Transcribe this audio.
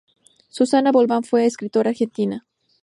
Susana Bombal fue una escritora argentina.